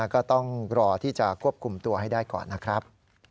ก็ต้องรอที่จะควบคุมตัวให้ได้ก่อนนะครับ